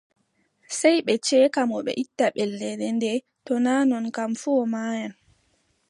Sey ɓe ceeka mo ɓe itta ɓellere ndee, to naa non kam fuu, o maayan.